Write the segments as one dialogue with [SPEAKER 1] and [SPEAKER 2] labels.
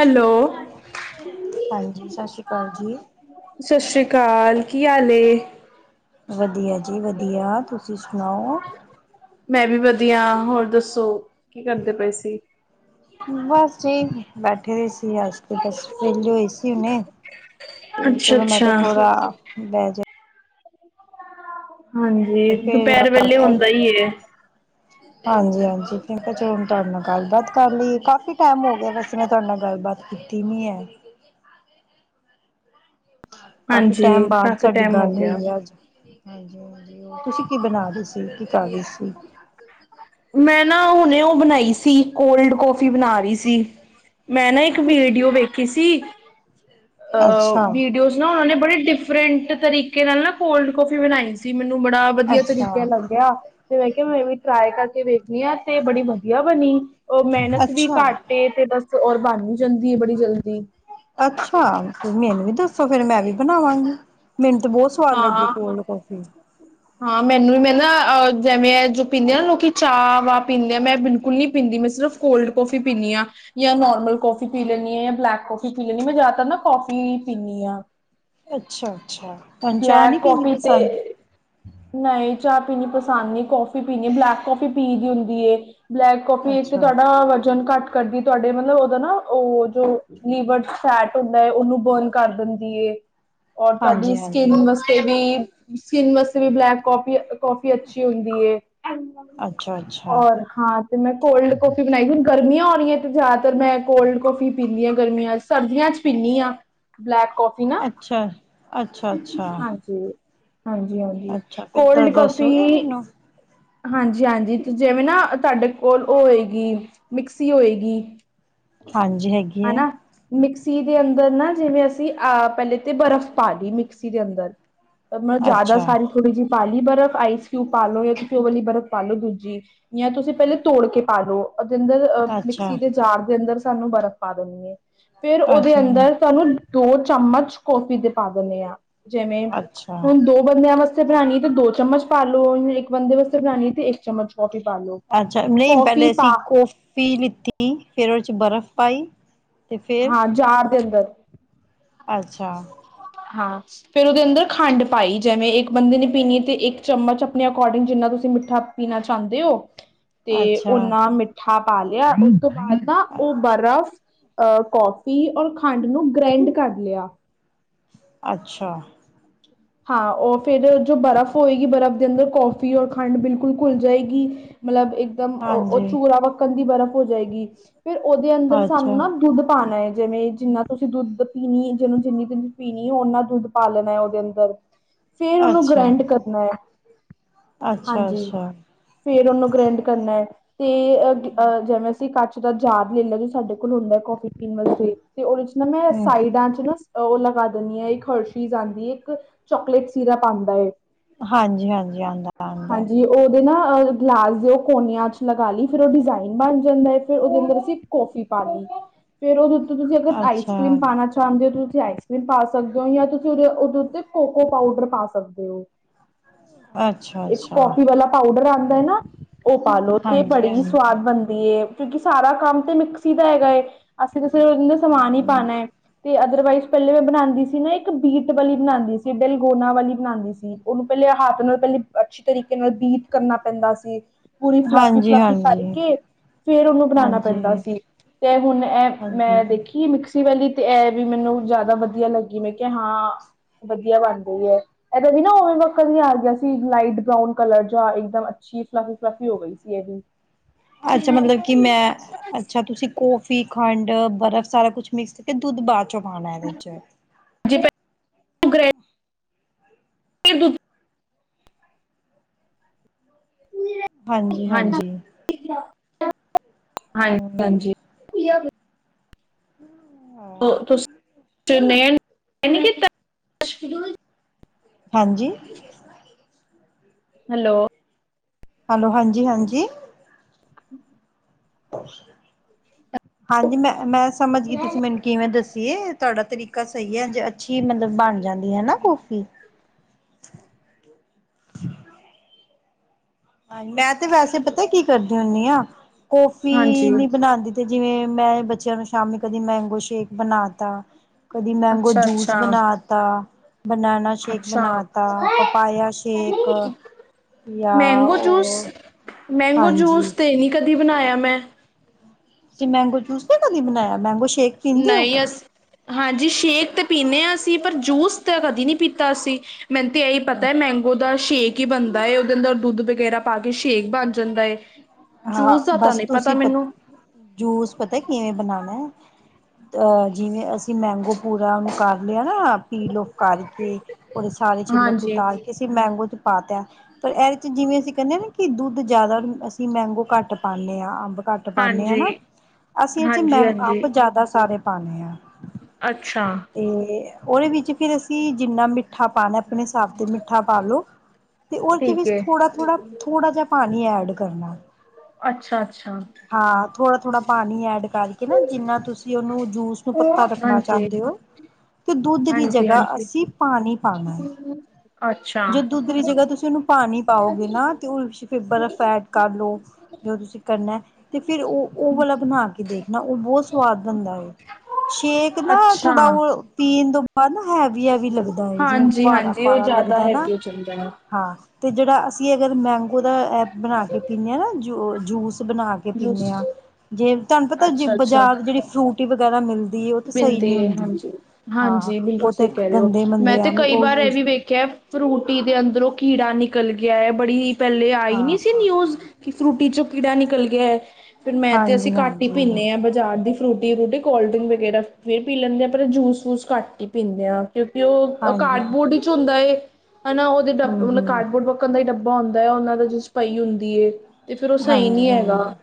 [SPEAKER 1] Hello
[SPEAKER 2] ਹਾਂਜੀ ਸਤਿ ਸ਼੍ਰੀ ਅਕਾਲ ਜੀ
[SPEAKER 1] ਸਤਿ ਸ਼੍ਰੀ ਅਕਾਲ ਕੀ ਹਾਲ
[SPEAKER 2] ਵਧੀਆ ਜੀ ਵਧੀਆ ਤੁਸੀਂ ਸੁਣਾਓ
[SPEAKER 1] ਮੈਂ ਵੀ ਵਧੀਆ ਹੋਰ ਦੱਸੋ ਕੀ ਕਰਦੇ ਪਏ ਸੀ
[SPEAKER 2] ਬਸ ਠੀਕ ਬੈਠੇ ਦੇ ਸੀ ਅੱਜ ਤੇ ਬਸ ਵਿਹਲੇ ਹੋਈ ਸੀ ਉਹਨੇ ਤੇ
[SPEAKER 1] ਅੱਛਾ
[SPEAKER 2] ਚਲੋ ਮੈਂ ਕਿਹਾ
[SPEAKER 1] ਅੱਛਾ
[SPEAKER 2] ਥੋੜਾ ਬਹਿ ਜਾ
[SPEAKER 1] ਹਾਂਜੀ
[SPEAKER 2] ਫਿਰ
[SPEAKER 1] ਦੁਪਹਿਰ ਵੇਲੇ ਹੁੰਦਾ
[SPEAKER 2] ਹਾਂਜੀ ਹਾਂਜੀ ਫਿਰ ਮੈਂ ਹੁਣ ਤੁਹਾਡੇ ਨਾਲ ਗੱਲਬਾਤ ਕਰ ਲਈਏ ਕਾਫੀ ਟਾਈਮ ਹੋ ਗਿਆ ਵੈਸੇ ਮੈਂ ਤੁਹਾਡੇ ਨਾਲ ਗੱਲਬਾਤ ਇ ਕੀਤੀ ਨਹੀਂ ਹੈ ਕਾਫੀ
[SPEAKER 1] ਹਾਂਜੀ
[SPEAKER 2] ਟੈਮ ਬਾਦ
[SPEAKER 1] ਕਾਫੀ
[SPEAKER 2] ਸਾਡੀ
[SPEAKER 1] ਟਾਈਮ ਹੋ
[SPEAKER 2] ਗੱਲ ਹੋਈ
[SPEAKER 1] ਗਿਆ
[SPEAKER 2] ਐ ਅੱਜ। ਹਾਂਜੀ- ਹਾਂਜੀ ਤੁਸੀਂ ਕੀ ਬਣਾ ਰੇ ਸੀ। ਕੀ ਕਰ ਰੇ ਸੀ।
[SPEAKER 1] ਮੈਂ ਨਾ ਹੁਣੇ ਓ ਬਣਾਈ ਸੀ, ਕੋਲਡ ਕੋਫੀ। ਪੀ ਬਣਾ ਰੀ ਸੀ। ਮੈਂ ਨਾ ਇੱਕ ਵੀਡੀਓ ਵੇਖੀ ਸੀ। ਅ
[SPEAKER 2] ਅੱਛਾ
[SPEAKER 1] ਵੀਡੀਓਜ਼ ਨਾ ਓਨਾਂ ਨੇ ਬੜੇ ਡਿਫਰੈਂਟ ਤਰੀਕੇ ਨਾਲ ਨਾ ਕੋਲਡ ਕਫੀ ਬਣਾਈ ਸੀ। ਜੀ ਮੈਨੂੰ ਬੜਾ ਵਧੀਆ ਤਰੀਕੇ
[SPEAKER 2] ਅੱਛਾ
[SPEAKER 1] ਲੱਗਿਆ। ਤੇ ਮੈਂ ਕਿਆ ਮੈਂ ਵੀ ਟਰਾਈ ਕਰਕੇ ਵੇਖਣੀ ਆ ਤੇ ਬੜੀ ਵਧੀਆ ਬਣੀ। ਓ ਮੇਨਤ ਵੀ
[SPEAKER 2] ਅੱਛਾ
[SPEAKER 1] ਘੱਟ ਏ। ਤੇ ਬਸ ਔਰ ਬਣ ਵੀ ਜਾਂਦੀ ਐ ਬੜੀ ਜਲਦੀ।
[SPEAKER 2] ਅੱਛਾ ਮੈਨੂੰ ਵੀ ਦੱਸੋ ਫੇਰ ਮੈਂ ਵੀ ਬਣਾਵਾਂਗੀ। ਮੈਨੂੰ ਤੇ ਬੋਤ ਸਵਾਦ ਲੱਗਦੀ
[SPEAKER 1] ਹਾਂ
[SPEAKER 2] ਕੋਲਡ ਕੌਫੀ।
[SPEAKER 1] [unintelligible] ਹਾਂ ਮੈਨੂੰ ਮੈਂ ਨਾ ਜਿਵੇਂ ਜੋ ਪੀਂਦੇ ਆ ਨਾ ਲੋਕੀ ਚਾ -ਵਾ ਪੀਂਦੇ ਆ। ਮੈਂ ਬਿਲਕੁਲ ਨੀ ਪੀਂਦੀ। ਮੈਂ ਸਿਰਫ ਕੋਲਡ ਕੋਫੀ ਪੀਨੀਂ ਆਂ। ਜਾਂ ਨੋਰਮਲ ਕੌਫੀ ਪੀ ਲੈਂਣੀ ਆ ਜਾਂ ਬਲੈਕ ਕੌਫੀ ਪੀ ਲੈਂਣੀ। ਮੈਂ ਜ਼ਿਆਦਾਤਰ ਨਾ ਕੌਫੀ ਈ ਪੀਂਨੀ ਆਂ।
[SPEAKER 2] ਅੱਛਾ-ਅੱਛਾ ਤਾਨੂੰ ਚਾ ਨੀ ਪੀਣੀ ਪਸੰਦ।
[SPEAKER 1] ਨਈ ਚਾ ਪੀਣੀ ਪਸੰਦ ਨੀ। ਕੌਫੀ ਪੀਣੀ ਬਲੈਕ ਕੌਫੀ ਪੀ ਦੀ ਹੁੰਦੀ ਏ। ਬਲੈਕ ਕੋਫੀ ਇਕ ਤੇ
[SPEAKER 2] ਅੱਛਾ
[SPEAKER 1] ਤੁਆਡਾ ਵਜਨ ਘੱਟ ਕਰਦੀ। ਤੁਆਡੇ ਮਲਬ ਓਦਾ ਨਾ ਓ ਜੋ ਲੀਵਰ ਚ ਫੈਟ ਹੁੰਦਾ ਹੈ ਉਹਨੂੰ ਬਰਨ ਕਰ ਦਿੰਦੀ ਹੈ ਔਰ ਤੁਹਾਡੀ
[SPEAKER 2] ਹਾਂਜੀ ਹਾਂਜੀ
[SPEAKER 1] ਸਕਿੰਨ ਵਾਸਤੇ ਵੀ ਸਕਿੰਨ ਵਾਸਤੇ ਵੀ ਬਲੈਕ ਕਪੀ ਕਾਫੀ ਅੱਛੀ ਹੁੰਦੀ
[SPEAKER 2] ਅੱਛਾ ਅੱਛਾ
[SPEAKER 1] ਔਰ ਹਾਂ ਤੇ ਮੈਂ ਕੋਲਡ ਕੌਫੀ ਬਣਾਈ ਹੁਣ ਗਰਮੀਆਂ ਹੋਣੀਆਂ ਤੇ ਜ਼ਿਆਦਾਤਰ ਮੈਂ ਕੋਲਡ ਕੌਫੀ ਪੀਂਦੀ ਹਾਂ ਗਰਮੀਆਂ ਸਰਦੀਆਂ ਚ ਪੀਂਣੀ ਹਾਂ ਬਲੈਕ ਕੌਫੀ ਨਾ
[SPEAKER 2] ਅੱਛਾ ਅੱਛਾ ਅੱਛਾ
[SPEAKER 1] ਜ ਹਾਂਜੀ ਹਾਂਜੀ
[SPEAKER 2] ਅੱਛਾ ਫਿਰ ਦ
[SPEAKER 1] ਕੋਲਡ ਕਫੀ
[SPEAKER 2] ਦੱਸੋਗੇ ਮੈਨੂੰ
[SPEAKER 1] ਹਾਂਜੀ ਹਾਂਜੀ ਤੇ ਜਿਵੇਂ ਨਾ ਤੁਹਾਡੇ ਕੋਲ ਉਹ ਹੋਏਗੀ ਮਿਕਸੀ ਹੋਏਗੀ
[SPEAKER 2] ਹਾਂਜੀ ਹੈਗੀ
[SPEAKER 1] ਹੈ ਨਾ ਮਿਕਸੀ ਦੇ ਅੰਦਰ ਨਾ ਜਿਵੇਂ ਅਸੀਂ ਅਹ ਪਹਿਲੇ ਤੇ ਬਰਫ਼ ਪਾ ਲਈ ਮਿਕਸੀ ਦੇ ਅੰਦਰ ਮੈਂ ਜ਼ਿਆਦਾ
[SPEAKER 2] ਅੱਛਾ
[SPEAKER 1] ਸਾਰੀ ਥੋੜੀ ਜਿਹੀ ਪਾਲੀ ਬਰਫ਼ ਆਈਸ ਕਿਊ ਪਾ ਲੋ ਜਾਂ ਵਾਲੀ ਬਰਫ਼ ਪਾਾਲੋ ਦੂਜੀ ਜਾਂ ਤੁਸੀਂ ਪਹਿਲੇ ਤੋੜ ਕੇ ਪਾਲਓ ਜਾ ਅੰਦਰ ਅਹ
[SPEAKER 2] ਅੱਛਾ
[SPEAKER 1] ਮਿਕਸੀ ਤੇ ਚਾਰ ਦੇ ਅੰਦਰ ਸਾਨੂੰ ਬਰਫ਼ ਪਾ ਦਿੰਦੀ ਹੈ ਫੇਰ ਉਹਦੇ
[SPEAKER 2] ਅੱਛਾ
[SPEAKER 1] ਅੰਦਰ ਤੁਹਾਨੂੰ ਦੋ ਚਮਚ ਕੌਫੀ ਦੇ ਪਾ ਦਿੰਦੇ ਹਾਂ ਜਿਵੇਂ
[SPEAKER 2] ਅੱਛਾ
[SPEAKER 1] ਹੁਣ ਦੋ ਬੰਦਿਆਂ ਵਾਸਤੇ ਬਣਾਣੀ ਤੇ ਦੋ ਚਮਚ ਪਾ ਲ ਲੋ ਇੱਕ ਬੰਦੇ ਵਾਸਤੇ ਬਣਾਉਣੀ ਤੇ ਇੱਕ ਚਮਚ ਕੌਫੀ ਪਾਲ ਲੋ
[SPEAKER 2] ਅੱਛਾ ਨਹੀਂ
[SPEAKER 1] ਕੌਫੀ
[SPEAKER 2] ਪਹਿਲੇ ਅਸੀਂ
[SPEAKER 1] ਪਾ
[SPEAKER 2] ਕਫੀ ਲਿੱਤੀ ਫੇਰ ਉਹਦੇ ਚ ਬਰਫ਼ ਪਾਈ ਤੇ ਫਿਰ
[SPEAKER 1] ਹਾਂ ਜਾਰ ਦੇ ਅੰਦਰ
[SPEAKER 2] ਅੱਛਾ
[SPEAKER 1] ਹਾਂ ਫੇਰ ਉਹਦੇ ਅੰਦਰ ਖੰਡ ਪਾਈ ਜਿਵੇਂ ਇੱਕ ਬੰਦੇ ਨੇ ਪੀਣੀ ਤੇ ਇੱਕ ਚਮਚ ਆਪਣੇ ਅਕੋਰਡਿੰਗ ਜਿੰਨਾ ਤੁਸੀਂ ਮਿੱਠਾ ਪੀਣਾ ਚਾਹੁੰਦੇ ਹੋ ਤੇ
[SPEAKER 2] ਅੱਛਾ
[SPEAKER 1] ਓਨਾ ਮਿੱਠਾ ਪਾ ਲਿਆ ਉਸ ਤੋਂ ਬਾਅਦ ਨਾ ਉਹ ਬਰਫ਼ ਅਹ ਕੌਫੀ ਔਰ ਖੰਡ ਨੂੰ ਗ੍ਰੈਂਡ ਕਰ ਲਿਆ
[SPEAKER 2] ਅੱਛਾ
[SPEAKER 1] ਹਾਂ ਉਹ ਫੇਰ ਜੋ ਬਰਫ਼ ਹੋਏਗੀ ਬਰਫ਼ ਦੇ ਅੰਦਰ ਕੌਫੀ ਔਰ ਖੰਡ ਬਿਲਕੁਲ ਘੁੱਲ ਜਾਏਗੀ ਮਤਲਬ ਇੱਕਦਮ ਉਹ
[SPEAKER 2] ਹਾਂਜੀ
[SPEAKER 1] ਚੂਰਾ ਵੱਕਣ ਦੀ ਬਰਫ਼ ਹੋ ਜਾਏਗੀ ਫਿਰ ਉਹਦੇ ਅੰਦਰ ਸਾਨੂੰ
[SPEAKER 2] ਅੱਛਾ
[SPEAKER 1] ਨਾ ਦੁੱਧ ਪਾਉਣਾ ਹੈ ਜਿਵੇਂ ਜਿੰਨਾ ਤੁਸੀਂ ਦੁੱਧ ਪੀਣੀ ਜਿਹਨੂੰ ਜਿੰਨੀ ਦਿਂ ਪੀਣੀ ਓਨਾ ਦੁੱਧ ਪਾਲਣਾ ਉਹਦੇ ਅੰਦਰ ਫੇਰ ਉਹਨੂੰ
[SPEAKER 2] ਅੱਛਾ
[SPEAKER 1] ਗ੍ਰੈਂਡ ਕਰਨਾ ਆ
[SPEAKER 2] ਅੱਛਾ
[SPEAKER 1] ਹਾਂਜੀ
[SPEAKER 2] ਅੱਛਾ
[SPEAKER 1] ਫੇਰ ਉਹਨੂੰ ਗ੍ਰੈਂਡ ਕਰਨਾ ਹੈ ਤੇ ਅਹ ਅਹ ਜਿਵੇਂ ਸੀਂ ਕੱਚ ਦਾ ਜਦ ਲੈ ਲੈ ਜ ਸਾਡੇ ਕੋਲ ਹੁੰਦਾ ਹੈ ਕਾਫੀ ਪੀਣ ਵਾਸਤੇ ਤੇ ਉਹਦੇ ਚ ਨਾ ਮੈਂ
[SPEAKER 2] ਹਮ
[SPEAKER 1] ਸਾਈਡਾਂ ਚ ਨਾ ਉਹ ਲਗਾ ਦਿੰਦੀ ਆ ਇੱਕ ਹਰਸ਼ੀਜ਼ ਆਉਂਦੀ ਹੈ ਇੱਕ ਚੋਕਲੇਟ ਸੀਿਰਪ ਆਉਂਦਾ ਹੈ
[SPEAKER 2] ਹਾਂਜੀ ਹਾਂਜੀ ਆਉਂਦਾ ਆਉਂਦਾ
[SPEAKER 1] ਹਾਂਜੀ ਉਹਦੇ ਨਾਹ ਗਲਾਸ ਦੇ ਉਹ ਕੋਨਿਆਂ ਚ ਲਗਾ ਲਈ ਫਿਰ ਉਹ ਡਿਜ਼ਾਇਨ ਬਣ ਜਾਂਦਾ ਹੈ ਫਿਰ ਉਹਦੇ ਅੰਦਰ ਅਸੀਂ ਕੌਫੀ ਪਾਣੀ ਫੇਰ ਉਹਦੇ ਉੱਤੇ ਤੁਸੀਂ ਅਗਰ ਆਈਸ
[SPEAKER 2] ਅੱਛਾ
[SPEAKER 1] ਕਰ੍ਰੀਮ ਪਾਉਣਾ ਚਾਹੁੰਦੇ ਹੋ ਤੁਸੀਂ ਆਈਸ ਕਰ੍ਰੀਮ ਪਾ ਸਕਦੇ ਹੋ ਜਾਂ ਤੁਸੀਂ ਉਹਦੇ ਤੇ ਕੋਕੋ ਪਾਊਡਰ ਪਾ ਸਕਦੇ ਹੋ
[SPEAKER 2] ਅੱਛਾ
[SPEAKER 1] ਇੱਕ
[SPEAKER 2] ਅੱਛਾ
[SPEAKER 1] ਕਫੀ ਵਾਲਾ ਪਾਊਡਰ ਆਉਂਦਾ ਹੈ ਨਾ ਉਹ ਪਾਲੋ ਤੇ
[SPEAKER 2] ਹਾਂਜੀ
[SPEAKER 1] ਬੜੀ ਹੀ
[SPEAKER 2] ਹਾਂਜੀ
[SPEAKER 1] ਸਵਾਦ ਬਣਦੀ ਕਿਉਂਕਿ ਸਾਰਾ ਕੰਮ ਤੇ ਮਿਕਸੀ ਦਾ ਹੈਗਾ ਏ ਅਸੀਂ ਕਿਸੇ ਉਹ ਦਾ ਸਮਾਨ ਹੀ ਪਾਉਣਾ ਹੈ ਤੇ ਅਦਰਵਾਈਜ਼ ਪਹਿਲੇ ਮੈਂ ਬਣਾਉਂਦੀ ਸੀ ਨਾ ਇੱਕ ਬੀਟ ਵਾਲੀ ਬਣਾਉਂਦੀ ਸੀ ਡਿਲਗੋ ਵਾਲੀ ਬਣਾਉਂਦੀ ਸੀ ਉਹਨੂੰ ਪਹਿਲੇ ਹੱਥ ਨਾਲ ਪਹਿਲੇ ਅੱਛੀ ਤਰੀਕੇ ਨਾਲ ਬੀਤ ਕਰਨਾ ਪੈਂਦਾ ਸੀ ਪੂਰੀ ਫਲਾਫੀ
[SPEAKER 2] ਹਾਂਜੀ
[SPEAKER 1] ਫਲਾਫੀ
[SPEAKER 2] ਹਾਂਜੀ
[SPEAKER 1] ਕਰਕੇ ਫੇਰ ਉਹਨੂੰ ਬਣਾਉਣਾ ਪੈਂਦਾ
[SPEAKER 2] ਹਾਂਜੀ
[SPEAKER 1] ਸੀ ਤੇ ਹੁਣ ਇਹ
[SPEAKER 2] ਹਾਂਜੀ
[SPEAKER 1] ਮੈਂ ਦੇਖੀ ਕਿ ਮਿਕਸੀ ਵਾਲੀ ਤੇ ਇਹ ਵੀ ਮੈਨੂੰ ਜ਼ਿਆਦਾ ਵਧੀਆ ਲੱਗੀ ਮੈਂ ਕਿ ਹਾਂ ਵਧੀਆ ਬਣਦੀ ਹੈ ਇਹਦ ਜ ਨਾ ਓਵੇਨ ਵਕਰ ਨ ਆ ਗਿਆ ਸੀ ਲਾਈਟ ਬਰਾਊਨ ਕਲਰ ਜਾਂ ਇਕਦਮ ਅੱਛੀ ਫਲਾਫੀ ਫਲਾਫੀ ਹੋ ਗਈ ਸੀ ਜੀ
[SPEAKER 2] ਅੱਛਾ ਮਤਲਬ ਕਿ ਮੈਂ ਅੱਛਾ ਤੁਸੀਂ ਕੌਫੀ ਖੰਡ ਬਰਫ਼ ਸਾਰਾ ਕੁਛ ਮਿਕਸ ਇਹ ਦੁੱਧ ਬਾਅਦ ਚੋਂ ਪਾਉਣਾ ਇਹਦੇ ਚ
[SPEAKER 1] ਜ [unintelligible] ਹਮ
[SPEAKER 2] ਹਾਂਜੀ ਹਾਂਜੀ ਹਮ
[SPEAKER 1] ਹਾਂਜੀ ਹਾਂਜੀ ਤੁਸੀਂ ਮੈਂ ਨਹੀਂ ਦਿੱਤਾ
[SPEAKER 2] ਹਾਂਜੀ
[SPEAKER 1] [inaudible] ਹੈਲੋ
[SPEAKER 2] ਹੈਲੋ ਹਾਂਜੀ ਹਾਂਜੀ ਹਾਂਜੀ ਮੈਂ ਮੈਂ ਸਮਝ ਗਈ ਤੁਸੀਂ ਮੈਨੂੰ ਕਿਵੇਂ ਦੱਸੀਏ ਤੁਹਾਡਾ ਤਰੀਕਾ ਸਹੀ ਹੈ ਜੇ ਅੱਛੀ ਮਤਲਬ ਬਣ ਜਾਂਦੀ ਹੈ ਨਾ ਕੌਫੀ ਹਾਂਜੀ ਮੈਂ ਤੇ ਵੈਸੇ ਪਤਾ ਕੀ ਕਰਦੀ ਹੁੰਦੀ ਹ ਕੌਫੀ
[SPEAKER 1] ਹਾਂਜੀ
[SPEAKER 2] ਨੀ ਬਣਾਉਂਦੀ ਤੇ ਜਿਵੇਂ ਮੈਂ ਬੱਚਿਆਂ ਨੂੰ ਸ਼ਾਮੀ ਕਦੀ ਮੈਂਗੋ ਸ਼ੇਕ ਬਣਾ ਤਾ ਕਦੀ ਮੈਂਗੋ
[SPEAKER 1] ਅੱਛਾ
[SPEAKER 2] ਜੂਸ
[SPEAKER 1] ਅੱਛਾ
[SPEAKER 2] ਬਣਾ ਤਾ ਬਨਣਾ ਸ਼ੇਕ
[SPEAKER 1] ਅੱਛਾ
[SPEAKER 2] ਬਣਾ ਤਾ ਪਪਾਇਆ ਸ਼ੇਕ ਯਾਰ
[SPEAKER 1] ਮੈਂਗੋ ਜੂਸ ਮੈਂਗੋ ਜੂਸ ਤੇ ਨੀ ਕਦੀ ਬਣਾਇਆ ਮੈਂ
[SPEAKER 2] ਤੁਸੀਂ ਮੈਂਗੋ ਜੂਸ ਨੇ ਕਦੀ ਬਣਾਇਆ ਮੈਂਗੋ ਸ਼ੇਕ ਪੀਂਦੇ
[SPEAKER 1] ਨਹੀਂ
[SPEAKER 2] ਹੋ
[SPEAKER 1] ਅਸ ਹਾਂਜੀ ਸ਼ੇਕ ਤੇ ਪੀਂਦੇ ਹਾਂ ਅਸੀਂ ਪਰ ਜੂਸ ਤਾਂ ਕਦੀ ਨਹੀਂ ਪੀਤਾ ਅਸੀਂ ਮੈਨੂੰ ਤੇ ਇਹੀ ਪਤਾ ਮੈਂਗੋ ਉਹਦਾ ਸ਼ੇਕ ਹੀ ਬਣਦਾ ਏ ਉਹਦੇ ਅੰਦਰ ਦੁੱਧ ਵਗੈਰਾ ਪਾ ਕੇ ਸ਼ੇਕ ਬਣ ਜਾਂਦਾ ਹੈ।
[SPEAKER 2] ਹਾਂ
[SPEAKER 1] ਜੂਸ ਦਾ ਤਾਂ
[SPEAKER 2] ਬਸ
[SPEAKER 1] ਨਹੀਂ ਪਤਾ
[SPEAKER 2] ਤੁਸੀਂ ਪ
[SPEAKER 1] ਮੈਨੂੰ
[SPEAKER 2] ਜੂਸ ਪਤਾ ਕਿਵੇਂ ਬਣਾਉਣਾ ਆ ਜਿਵੇਂ ਅਸੀਂ ਅਸੀਂ ਮੈਂਗੋ ਪੂਰਾ ਉਹਨੂੰ ਕਰ ਲਿਆ ਨਾ ਪੀਲ ਕਰਕੇ ਉਹਦੇ ਸਾਰੇ ਛਿੱਲਕ
[SPEAKER 1] ਹਾਂਜੀ,
[SPEAKER 2] ਉਤਾਰ ਕੇ ਮੈਂਗੋ ਚ ਪਾਤਿਆ ਪਰ ਇਹਦੇ ਚ ਜਿਵੇਂ ਅਸੀਂ ਕਹਿੰਦੇ ਹਾਂ ਨਾ ਕਿ ਦੁੱਧ ਜ਼ਿਆਦਾ ਅਸੀਂ ਮੈਂਗੋ ਘੱਟ ਪਾਉਂਦੇ ਹਾਂ ਅੰਬ ਘੱਟ ਪਾਦੇ
[SPEAKER 1] ਹਾਂਜੀ,
[SPEAKER 2] ਨਾ ਅਸੀਂ ਇਚ
[SPEAKER 1] ਹਾਂਜੀ, ਹਾਂਜੀ
[SPEAKER 2] ਅੰਬ ਜਿਆਦਾ ਸਾਰੇ ਪਾਦੇ ਹਾਂ
[SPEAKER 1] ਅੱਛਾ।
[SPEAKER 2] ਆ ਉਹਦੇ ਵਿੱਚ ਫਿਰ ਅਸੀਂ ਜਿੰਨਾ ਮਿੱਠਾ ਪਾਣਾ ਆਪਣੇ ਹਿਸਾਬ ਤੇ ਮਿੱਠਾ ਪਾਲੋ ਤੇ ਉਚ
[SPEAKER 1] ਠੀਕ
[SPEAKER 2] ਵਿੱਚ
[SPEAKER 1] ਏ,
[SPEAKER 2] ਥੋੜਾ ਥੋੜਾ ਥੋੜਾ ਜਿਹਾ ਪਾਣੀ ਐਡ ਕਰਨਾ
[SPEAKER 1] ਅੱਛਾ -ਅੱਛਾ।
[SPEAKER 2] ਹਾਂ ਥੋੜਾ ਥੋੜਾ ਪਾਣੀ ਐਡ ਕਰਕੇ ਨਾ ਜਿੰਨਾ ਤੁਸੀਂ ਉਹਨੂੰ ਜੂਸ ਨੂੰ ਪੱਤਾ ਕੱਟਨਾ
[SPEAKER 1] ਹਾਂਜੀ,
[SPEAKER 2] ਚਾਹੁੰਦੇ ਹੋ। ਤੇ ਦੁੱਧ ਦੀ
[SPEAKER 1] ਹਾਂਜੀ,
[SPEAKER 2] ਜਗ੍ਹਾ
[SPEAKER 1] ਹਾਂਜੀ।
[SPEAKER 2] ਅਸੀਂ ਪਾਣੀ ਪਾਉਣਾ ਹੈ
[SPEAKER 1] ਅੱਛਾ।
[SPEAKER 2] ਜੋ ਦੁੱਧ ਦੀ ਜਗ੍ਹਾ ਤੁਸੀਂ ਉਹਨੂੰ ਪਾਣੀ ਪਾਓਗੇ ਨਾ ਤੇ ਉਹਦੇ ਵਿੱਚ ਫਿਰ ਫੈਟ ਕਰ ਲਓ ਜੋਂ ਤੁਸੀਂ ਕਰਨਾ ਤੇ ਫਿਰ ਉਹ ਉਹ ਵਾਲਾ ਬਣਾ ਕੇ ਦੇਖਣਾ ਉਹ ਬਹੁਤ ਸਵਾਦ ਬਣਦਾ ਹੈ। ਸ਼ੇਕ ਨਾ
[SPEAKER 1] ਅੱਛਾ,
[SPEAKER 2] ਥੋੜਾ ਉਹ ਪੀਣ ਦੋ ਨਾ ਹੈਵੀ ਹੈਵੀ ਲੱਗਦਾ ਹੈ ਜਿਵੇਂ
[SPEAKER 1] ਹਾਂਜੀ,
[SPEAKER 2] ਭਾਰਾ
[SPEAKER 1] ਹਾਂਜੀ ਉਹ
[SPEAKER 2] ਭਾਰਾ
[SPEAKER 1] ਜ਼ਿਆਦਾ
[SPEAKER 2] ਲੱਗਦਾ ਨਾ
[SPEAKER 1] ਹੈਵੀ ਹੋ ਜਾਂਦਾ ਹੈ।
[SPEAKER 2] ਹਾਂ ਤੇ ਜਿਹੜਾ ਅਸੀਂ ਅਗਰ ਮੈਂਗੋ ਦਾ ਐਪ ਬਣਾ ਕੇ ਪੀਂਦੇ ਹਾਂ ਨਾ ਜ ਜੂਸ ਬਣਾ ਕੇ ਪੀਂਦੇ
[SPEAKER 1] ਜੂਸ,
[SPEAKER 2] ਹਾਂ ਜੇ ਤੁਹਾਨੂੰ ਪਤਾ ਜੇ
[SPEAKER 1] ਅੱਛਾ,
[SPEAKER 2] ਬਾਜ਼ਾਰ ਜਿਹੜੀ ਫਰੂਟ ਟਿਬ ਵਗੈਰਾ ਮਿਲ
[SPEAKER 1] ਬਿੰਨ ਤੇ ਹਾਂਜੀ
[SPEAKER 2] ਹਾਂ
[SPEAKER 1] ਹਾਂਜੀ ਬਿਲਕੁਲ
[SPEAKER 2] ਉਹ ਤੇ
[SPEAKER 1] ਸਹੀ ਕਹਿ ਹੋ
[SPEAKER 2] ਗੰਦੇ
[SPEAKER 1] ਮੈਂ
[SPEAKER 2] ਮੰੰਦੇ ਆ
[SPEAKER 1] ਤੇ ਕਈ
[SPEAKER 2] ਉਹ
[SPEAKER 1] ਵਾਰ ਇਹ
[SPEAKER 2] ਯੂਜ
[SPEAKER 1] ਵੀ ਵੇਖ ਫਰੂਟੀ ਦੇ ਅੰਦਰੋਂ ਕੀੜਾ ਨਿਕਲ ਗਿਆ ਹੈ ਬੜੀ ਪਹਿਲੇ ਆਈ ਨੀ
[SPEAKER 2] ਹਾਂ
[SPEAKER 1] ਸੀ
[SPEAKER 2] ਹਾਂ
[SPEAKER 1] ਨਿਊਜ਼ ਕਿ ਫਰੂਟੀ ਚੋਂ ਕੀੜਾ ਨਿਕਲ ਗਿਆ ਹੈ ਫਿਰ ਮੈਂ ਤੇ ਅਸੀਂ
[SPEAKER 2] ਹਾਂਜੀ
[SPEAKER 1] ਘੱਟ ਹੀ
[SPEAKER 2] ਹਾਂਜੀ
[SPEAKER 1] ਪੀਂਦੇ ਹਾਂ ਬਾਜ਼ਾਰ ਦੀ ਫਰੂਟੀ ਫਰੂਟੀ ਕੋਲਡ ਡਰਿੰਕ ਵਗੈਰਾ ਫਿਰ ਪੀ ਲੈਂਦੇ ਆ ਪਰ ਜੂਸ ਵੂਸ ਘੱਟ ਹੀ ਪੀਂਦੇ ਆਂ ਕਿਉਂਕਿ ਉਹ
[SPEAKER 2] ਹਾਂਜੀ
[SPEAKER 1] ਕਾਰਡਬੋਰਡ ਵਿੱਚ ਹੁੰਦਾ ਏ ਹਨਾ ਉਹਦੇ
[SPEAKER 2] ਹਮ
[SPEAKER 1] ਡਾਕਟਰ
[SPEAKER 2] ਹਮ
[SPEAKER 1] ਕਾਰਡਬੋਰਡ ਇੱਕ ਅੱਧਾ ਡੱਬਾ ਹੁੰਦਾ ਏ ਉਹਨਾਂ ਦੀ ਪਈ ਹੁੰਦੀ ਏ। ਫਿਰ ਉਹ ਸਹੀ ਨਹੀਂ
[SPEAKER 2] ਹਾਂਜੀ
[SPEAKER 1] ਹੈਗਾ
[SPEAKER 2] ਹਾਂਜੀ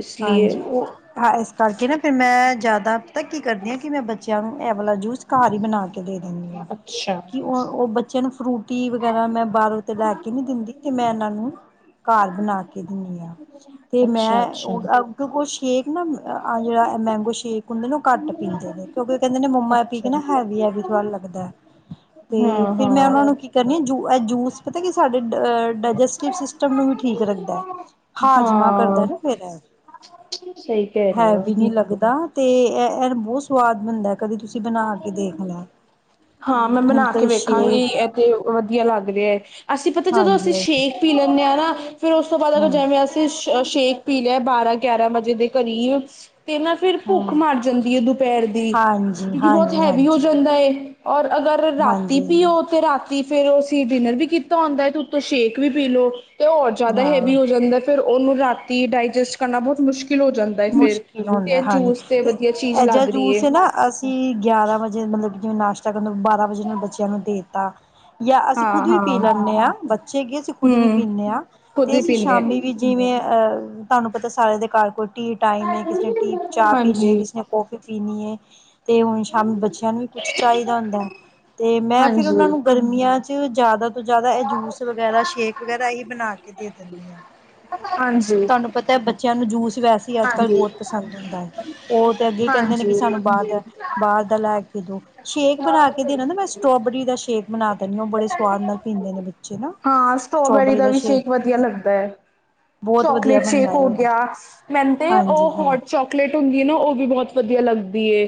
[SPEAKER 1] ਇਸ ਲਈਏ।
[SPEAKER 2] ਹਾਂਜੀ ਉਹ ਹਾਂ ਇਸ ਕਰਕੇ ਨਾ ਫਿਰ ਮੈਂ ਜ਼ਿਆਦਾ ਪਤਾ ਕੀ ਕਰਦੀ ਆਂ ਕਿ ਮੈਂ ਬੱਚਿਆਂ ਨੂੰ ਇਹ ਵਾਲਾ ਜੂਸ ਘਰ ਈ ਬਣਾ ਕੇ ਦੇ ਦਿੰਦੀ ਆਂ।
[SPEAKER 1] ਅੱਛਾ।
[SPEAKER 2] ਕਿ ਉਹ ਬੱਚੇ ਨੂੰ ਫਰੂਟ ਕੀ ਵਗੈਰਾ ਮੈਂ ਬਾਹਰੋਂ ਤੇ ਲੈ ਕੇ ਨਹੀਂ ਦਿੰਦੀ ਤੇ ਮੈਂ ਇਹਨਾਂ ਨੂੰ ਘਰ ਬਣਾ ਕੇ ਦਿੰਦੀ ਆ ਤੇ
[SPEAKER 1] ਅੱਛਾ
[SPEAKER 2] ਮੈਂ
[SPEAKER 1] ਅੱਛਾ।
[SPEAKER 2] ਅਗੋ ਕੋਈ ਸ਼ੇਕ ਨਾ ਆ ਜਿਹੜਾ ਮੈਂਗੋ ਸ਼ੇਕ ਹੁੰਦੇ ਨਾ ਉਹ ਘੱਟ ਪੀਂਦੇ ਨੇ ਕਿਉਂਕਿ ਉਹ ਕਹਿੰਦੇ ਨੇ ਮੰਮਾ ਏ ਪੀਕੇ
[SPEAKER 1] ਅੱਛਾ।
[SPEAKER 2] ਨਾ ਹੈਵੀ ਹੈਵੀ ਲੱਗਦਾ। ਤੇ
[SPEAKER 1] ਹਾਂ,
[SPEAKER 2] ਫਿਰ ਮੈਂ ਉਹਨਾਂ
[SPEAKER 1] ਹਾਂ,
[SPEAKER 2] ਨੂੰ ਕੀ ਕਰਨੀ ਜੂ ਇਹ ਜੂਸ ਪਤਾ ਕਿ ਸਾਡੇ ਡਾਇਜੈਸਟਿਵ ਸਿਸਟਮ ਨੂੰ ਵੀ ਠੀਕ ਰਹਿੰਦਾ। ਹਾਜਮਾ ਕਰਦਾ
[SPEAKER 1] ਹਾਂ
[SPEAKER 2] ਨਾ ਫਿਰ
[SPEAKER 1] ਸਹੀ ਕਹਿ ਰਹੇ ਹੋ।
[SPEAKER 2] ਹੈਵੀ ਨੀ ਲੱਗਦਾ। ਤੇ ਇਹ ਬਹੁਤ ਸਵਾਦ ਬਣਦਾ ਹੈ ਕਦੀ ਤੁਸੀਂ ਬਣਾ ਕੇ ਦੇਖ ਲੈ ਆ
[SPEAKER 1] ਹਾਂ ਮੈਂ
[SPEAKER 2] ਹੂ
[SPEAKER 1] ਬਣਾ ਕੇ
[SPEAKER 2] ਕਦੀ ਛੇ
[SPEAKER 1] ਵੇਖਾਂਗੀ ਇਹ ਤੇ ਵਧੀਆ ਲੱਗ ਰਿਹਾ ਏ ਅਸੀ ਪਤਾ ਜਦੋਂ
[SPEAKER 2] ਹਾਂਜੀ
[SPEAKER 1] ਅਸੀਂ ਸ਼ੇਕ ਪੀ ਲੈਂਦੇ ਆ ਨਾ ਫਿਰ ਉਸ ਤੋਂ ਬਾਅਦ ਅਗਰ
[SPEAKER 2] ਹਾਂ
[SPEAKER 1] ਜੇਂਵੇਂ ਅਸੀਂ ਸ਼ ਅ ਸ਼ੇਕ ਪੀ ਲਿਆ ਬਾਰ੍ਹਾਂ ਗਿਆਰਾਂ ਵਜੇ ਦੇ ਕਰੀਬ ਤੇ ਨਾ ਫਿਰ ਭੁੱਖ
[SPEAKER 2] ਹਾਂ
[SPEAKER 1] ਮਰ ਜਾਂਦੀ ਏ ਦੁਪੈਰ ਦੀ
[SPEAKER 2] ਹਾਂਜੀ
[SPEAKER 1] ਵੀ ਬੋਤ
[SPEAKER 2] ਹਾਂਜੀ
[SPEAKER 1] ਹੈਵੀ ਹੋ
[SPEAKER 2] ਹਾਂਜੀ
[SPEAKER 1] ਜਾਂਦਾ ਏ ਔਰ ਅਗਰ ਰਾਤੀ
[SPEAKER 2] ਹਾਂਜੀ
[SPEAKER 1] ਪੀਓ ਤੇ ਰਾਤੀ ਫੇਰ ਓ ਅਸੀਂ ਡਿਨਰ ਵੀ ਕੀਤਾ ਹੁੰਦਾ ਏ ਤੇ ਉੱਤੋ ਸ਼ੇਕ ਵੀ ਪੀਲੋ ਅਤੇ ਹੋਰ ਜਾਦਾ
[SPEAKER 2] ਹਾਂ
[SPEAKER 1] ਹੈਵੀ ਹੋ ਜਾਂਦਾ ਏ ਫਿਰ ਉਹਨੂੰ ਰਾਤੀ ਡਾਇਜੈਸਟ ਕਰਨਾ ਬਹੁਤ ਮੁਸ਼ਕਿਲ ਹੋ ਜਾਂਦਾ ਹੈ ਫਿਰ
[SPEAKER 2] ਮੁਸ਼ਕਿਲ ਹੁੰਦਾ
[SPEAKER 1] ਤੇ
[SPEAKER 2] ਹਾਂਜੀ
[SPEAKER 1] ਜੂਸ
[SPEAKER 2] ਤੇ
[SPEAKER 1] ਵਧੀਆ ਚੀਜ਼
[SPEAKER 2] ਇਹ ਜ
[SPEAKER 1] ਲੱਗ ਰਹੀ
[SPEAKER 2] ਜੂਸ ਹੈ ਨਾ ਅ ਕੀ ਗਿਆਰਾਂ ਵਜੇ ਮਤਲਬ ਕਿ ਨਾਸ਼ਤਾ ਕਰਨ ਬਾਰਾਂ ਵਜੇ ਨਾਲ ਬੱਚਿਆਂ ਨੂੰ ਦੇ ਤਾ ਜਾਂ ਅਸੀਂ
[SPEAKER 1] ਹਾਂ
[SPEAKER 2] ਖੁਦ ਵੀ
[SPEAKER 1] ਹਾਂ
[SPEAKER 2] ਪੀ ਲੈਂਣੇ ਆ ਬੱਚੇ ਕੀ ਅਸੀਂ ਖੁੱਦ ਵੀ
[SPEAKER 1] ਹਮ
[SPEAKER 2] ਪੀਂਣੇ ਆਂ
[SPEAKER 1] ਖੁਦ
[SPEAKER 2] ਤੇ
[SPEAKER 1] ਹੀ
[SPEAKER 2] ਅਸੀਂ
[SPEAKER 1] ਪੀਂਦੇ
[SPEAKER 2] ਸ਼ਾਮੀ ਵੀ ਜਿਵੇਂ ਅਹ ਅ ਤੁਹਾਨੂੰ ਪਤਾ ਸਾਰਿਆਂ ਦੇ ਘਰ ਕੋਈ ਢੀ ਟਾਈਮ
[SPEAKER 1] ਆ
[SPEAKER 2] ਐ ਕਿਸੇ ਨੇ ਟੀ ਚਾਹ ਪੀਣੀ ਏ
[SPEAKER 1] ਹਾਂਜੀ
[SPEAKER 2] ਕਿਸੇ ਨੇ ਕੌਫੀ ਪੀਣੀ ਏ। ਤੇ ਹੁਣ ਸ਼ਾਮ ਬੱਚਿਆਂ ਨੂੰ ਵੀ ਕੁਛ ਚਾਹੀਦਾ ਹੁੰਦਾ ਹੈ ਤੇ ਮੈਂ ਫਿਰ ਉਹਨਾਂ
[SPEAKER 1] ਹਾਂਜੀ
[SPEAKER 2] ਨੂੰ ਗਰ ਗਰਮੀਆ ਚ ਜਾਦਾ ਤੋਂ ਜਾਦਾ ਏ ਜੂਸ ਵਗੈਰਾ ਸ਼ੇਕ ਵਗੈਰਾ ਏਹੀ ਬਣਾ ਕੇ ਦੇ ਦਿੰਦੀ ਆ।
[SPEAKER 1] ਹਾਂਜੀ
[SPEAKER 2] ਤੁਹਾਨੂੰ ਪਤਾ ਬੱਚਿਆਂ ਨੂੰ ਜੂਸ ਵੈਸੇ ਹੀ ਅੱਜ ਕੱਲ੍ਹ
[SPEAKER 1] ਹਾਂਜੀ
[SPEAKER 2] ਬਹੁਤ ਪਸੰਦ ਹੁੰਦਾ ਐ ਉਹ ਤੇ ਅੱਗੇ ਕਹਿੰਦੇ ਨੇ ਕਿ
[SPEAKER 1] ਹਾਂਜੀ
[SPEAKER 2] ਸਾਨੂੰ ਬਾਹਰ ਦਾ ਬਾਹਰ ਦਾ ਲੈ ਕੇ ਦੋ ਸ਼ੇਕ ਬਣਾ ਕੇ ਦੇਣਾ ਨਾ ਮੈਂ ਸਟੋਬੇਰੀ ਦਾ ਸ਼ੇਕ ਬਣਾ ਦਿੰਦੀ ਉਹ ਬੜੇ ਸਵਾਦ ਨਾਲ ਪੀਂਦੇ ਨੇ ਬ
[SPEAKER 1] ਹਾਂ ਸਟ੍ਰੋਬੈਰੀ ਦਾ ਵੀ ਸ਼ੇਕ ਵਧੀਆ ਲੱਗਦਾ ਹੈ
[SPEAKER 2] ਬਹੁਤ ਵਧੀਆ
[SPEAKER 1] ਚੋਕਲੇਟ ਸ਼ੇਕ
[SPEAKER 2] ਬਣਦਾ ਹੈ
[SPEAKER 1] ਹੋ
[SPEAKER 2] ਉਹਦੇ
[SPEAKER 1] ਗਿਆ [unintelligible] ਉਹ
[SPEAKER 2] ਹਾਂਜੀ ਹਾਂਜੀ
[SPEAKER 1] ਹੋਟ ਚੋਕਲੇਟ ਹੁੰਦੀ ਨਾ ਉਹ ਵੀ ਬਹੁਤ ਵਧੀਆ ਲੱਗਦੀ ਏ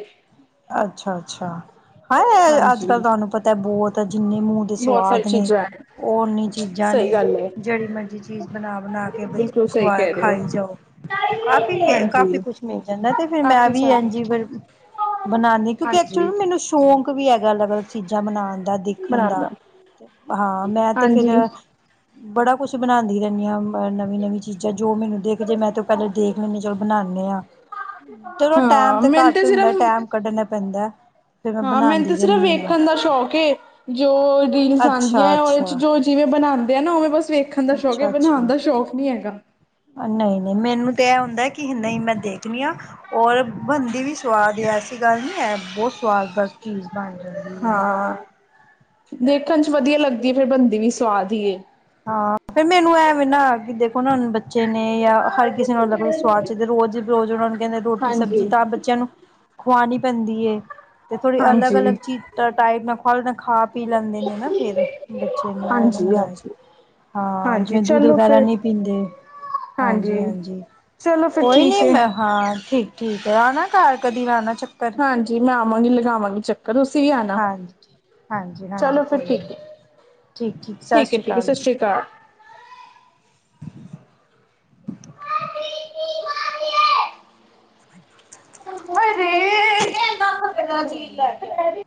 [SPEAKER 2] ਅੱਛਾ ਅੱਛਾ ਹੈ ਅੱਜ
[SPEAKER 1] ਹਾਂਜੀ
[SPEAKER 2] ਕੱਲ ਤੁਹਾਨੂੰ ਪਤਾ ਤਾਂ ਬਹੁਤ ਜਿੰਨੇ ਮੂੰਹ ਦੇ
[SPEAKER 1] ਬਹੁਤ ਸਾਰੀ
[SPEAKER 2] ਸਵਾਦ ਨੇ
[SPEAKER 1] ਚੀਜ਼ਾਂ ਹੈ
[SPEAKER 2] ਉਹ ਉਨੀ ਚੀਜ਼ਾਂ
[SPEAKER 1] ਸਹੀ
[SPEAKER 2] ਨੇ
[SPEAKER 1] ਗੱਲ ਹੈ
[SPEAKER 2] ਜਿਹੜੀ ਮਰਜ਼ੀ ਚੀਜ਼ ਬਨਾ ਬਨਾ ਕੇ ਬ
[SPEAKER 1] ਬਿਲਕੁਲ ਸਹੀ
[SPEAKER 2] ਖਵਾ
[SPEAKER 1] ਕਹਿ ਰਹੇ ਹੋ
[SPEAKER 2] ਖਾਈ ਜਾਓ ਕਾਫੀ ਮ ਕਾਫੀ
[SPEAKER 1] ਹਾਂਜੀ
[SPEAKER 2] ਕੁਛ ਮਿਲ ਜਾਂਦਾ ਤੇ ਫਿਰ ਮੈਂ
[SPEAKER 1] ਕਾਫੀ
[SPEAKER 2] ਵੀ
[SPEAKER 1] ਸਾਰੇ
[SPEAKER 2] ਇਝ ਈ ਫੇਰ ਬਣਾਉਣੀ ਕਿਉਕਿ ਐਕਚੁਲੀ
[SPEAKER 1] ਹਾਂਜੀ
[SPEAKER 2] ਨ ਮੈਨੂੰ ਸ਼ੌਂਕ ਵੀ ਹੈਗਾ ਅਲੱਗ ਅਲੱਗ ਚੀਜ਼ਾਂ ਬਣਾਉਣ ਦਾ ਦੇਖਣ ਦਾ।
[SPEAKER 1] ਬਣਾਉਂਦਾ
[SPEAKER 2] ਹਾਂ ਮੈਂ ਤੇ ਫੇਰ
[SPEAKER 1] ਹਾਂਜੀ
[SPEAKER 2] ਬੜਾ ਕੁੱਛ ਬਣਾਂਦੀ ਰੈਂਣੀ ਆਂ ਨਵੀਂ ਨਵੀਂ ਚੀਜ਼ਾਂ ਜੋ ਮੈਨੂੰ ਦੇਖ ਜੇ ਮੈਂ ਤ ਪੈਲੇ ਦੇਖ ਲੈਂਨੀ ਚਲੋ ਬਣਾਣੇ ਆਂ ਚਲੋ ਟੈਮ
[SPEAKER 1] ਹਾਂ
[SPEAKER 2] ਤੇ
[SPEAKER 1] ਮੈਨੂੰ
[SPEAKER 2] ਘੱਟ ਹੁੰਦਾ
[SPEAKER 1] ਸਿਰਫ
[SPEAKER 2] ਟੈਮ ਕੱਢਣਾ ਪੈਂਦਾ ਫਿਰ ਮੈਂ
[SPEAKER 1] ਹਾਂ ਮੈਨੂੰ
[SPEAKER 2] ਬਣਾਉਂਦੀ
[SPEAKER 1] ਤ ਸਿਰਫ਼
[SPEAKER 2] ਰਹਿੰਦੀ ਹਾਂ
[SPEAKER 1] ਵੇਖਣ ਦਾ ਸ਼ੌਕ ਏ ਜੋ ਰੀਲਸ ਆਦੀਆਂ
[SPEAKER 2] ਅੱਛਾ
[SPEAKER 1] ਹੈ ਔਰ ਇਦੇ
[SPEAKER 2] ਅੱਛਾ
[SPEAKER 1] ਚ ਜੋ ਕਿਵੇਂ ਬਣਾਂਦੇ ਆ ਨਾ ਉਵੇਂ ਬਸ ਵੇਖਣ ਦਾ ਸ਼ੌਕ ਹੈ
[SPEAKER 2] ਅੱਛਾ
[SPEAKER 1] ਬਣਾਣ
[SPEAKER 2] ਅੱਛਾ
[SPEAKER 1] ਦਾ ਸ਼ੌਕ ਨੀ ਹੈਗਾ।
[SPEAKER 2] ਨਹੀਂ ਨਹੀਂ ਮੈਨੂੰ ਤੇ ਐ ਹੁੰਦਾ ਕਿ ਨਹੀਂ ਮੈਂ ਦੇਖਣੀ ਆ ਔਰ ਬਣਦੀ ਵੀ ਸਵਾਦ ਐਸੀ ਗੱਲ ਨ੍ਹੀਂ ਏ ਬਹੁਤ ਸਵਾਦ ਬ ਚੀਜ਼ ਬਣ ਜਾਂਦੀ ਏ।
[SPEAKER 1] ਹਾਂ ਦੇਖਣ ਚ ਵਧੀਆ ਲੱਗਦੀ ਹੈ ਫੇਰ ਬਣਦੀ ਵੀ ਸੁਵਾਦ ਈ ਐ।
[SPEAKER 2] ਹਾਂ ਫੇਰ ਮੈਨੂੰ ਐਵੇ ਨਾ ਕਿ ਦੇਖੋ ਨਾ ਬੱਚੇ ਨੇ ਜਾਂ ਹਰ ਕਿਸੇ ਜਿਵੇਂ ਲਗੂ ਸਵਾਦ ਚ ਰੋਜ਼ ਰੋਜ਼ ਉਹਨਾਂ ਨੂੰ ਕੈਂਦੇ ਰੋਟੀ ਸਬਜ਼ੀ
[SPEAKER 1] ਹਾਂਜੀ
[SPEAKER 2] ਤਾਂ ਬੱਚਿਆਂ ਨੂੰ ਖੁਆਣੀ ਪੈਂਦੀ ਏ ਤੇ ਥੋੜੀ ਅਲੱਗ ਅਲੱਗ
[SPEAKER 1] ਹਾਂਜੀ
[SPEAKER 2] ਚੀਜ਼ ਟ ਟਾਈਮ ਨਾ ਫਲ ਤਾਂ ਖਾ ਪੀ ਲੈਂਦੇ ਨੇ ਨਾ ਫੇਰ ਬੱਚੇ ਨੂੰ ਇਹ
[SPEAKER 1] ਹਾਂਜੀ
[SPEAKER 2] ਹੁੰਦਾ ਐ।
[SPEAKER 1] ਹਾਂਜੀ
[SPEAKER 2] ਹਾਂ
[SPEAKER 1] ਹਾਂਜੀ
[SPEAKER 2] ਜਿਵੇਂ ਦੁੱਧ
[SPEAKER 1] ਚਲੋ
[SPEAKER 2] ਵਗੈਰਾ
[SPEAKER 1] ਫਿਰ
[SPEAKER 2] ਨਹੀਂ ਪੀਂਦੇ ਹਾਂਜੀ ਹਾਂਜੀ
[SPEAKER 1] ਚਲੋ ਫਿਰ
[SPEAKER 2] ਕੋਈ ਨੀ
[SPEAKER 1] ਠੀਕ ਹੈ
[SPEAKER 2] ਮੈਂ ਹਾਂ ਠੀਕ ਠੀਕ ਆ ਨਾ
[SPEAKER 1] ਹਾਂਜੀ ਮੈਂ ਆਵਾਂਗੀ ਲਗਾਵਾਂਗੀ ਚੱਕਰ ਤੁਸੀਂ ਵੀ ਆਣਾ
[SPEAKER 2] ਹਾਂਜੀ, ਹਾਂਜੀ ਕੋਈ ਨੀ ਠੀਕ, ਠੀਕ ਸਤਿ
[SPEAKER 1] ਹੈ
[SPEAKER 2] ਸ੍ਰੀ
[SPEAKER 1] ਠੀਕ ਹੈ ਸਤਿ
[SPEAKER 2] ਅਕਾਲ ਜੀ।
[SPEAKER 1] ਸ਼੍ਰੀ ਅਕਾਲ
[SPEAKER 2] [unintelligible]
[SPEAKER 1] [unintelligible]